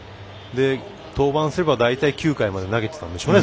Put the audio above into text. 登板すれば大体９回まで投げてたんですよね。